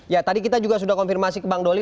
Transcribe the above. ya tadi kita juga sudah konfirmasi ke bang doli